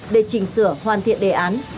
để chỉnh sửa hoàn thiện đề án